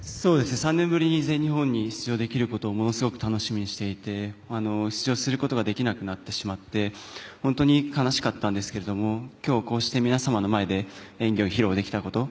３年ぶりに全日本に出場できることをものすごく楽しみにしていて出場することができなくなってしまって本当に悲しかったんですけど今日、こうして皆様の前で演技を披露できたこと。